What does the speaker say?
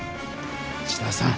千田さん。